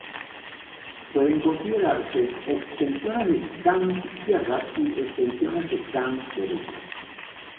Pueden considerarse extensiones de Kan "izquierdas" y extensiones de Kan "derechas".